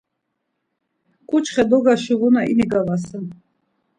Ǩuçxe dogaşuvuna ini gavasen.